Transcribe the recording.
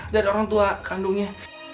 dari orang tua kandungnya